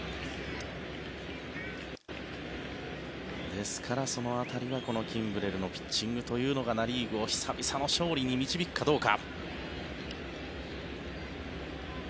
ですから、その辺りはキンブレルのピッチングというのがナ・リーグを久々の勝利に導くかどうか。